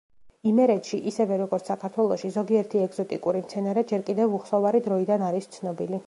იმერეთში ისევე როგორც საქართველოში, ზოგიერთი ეგზოტიკური მცენარე ჯერ კიდევ უხსოვარი დროიდან არის ცნობილი.